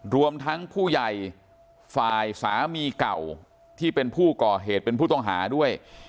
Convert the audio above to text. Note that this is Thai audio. รวมทั้งผู้ใหญ่ฝ่ายสามีเก่าที่เป็นผู้ก่อเหตุเป็นผู้ต้องหาด้วย